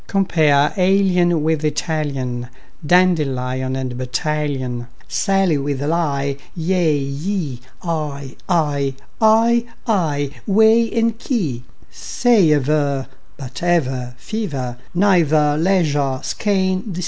Compare alien with Italian, Dandelion with battalion, Sally with ally; yea, ye, Eye, I, ay, aye, whey, key, quay! Say aver, but ever, fever, Neither, leisure, skein, receiver.